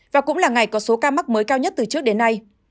và cũng là ngày có số ca mắc mới cao nhất từ trước đến nay